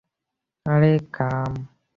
আরে, ক্যাম।